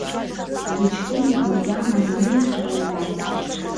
Дыҷкәыноуп, макьана адунеи изхара имбаӡацт!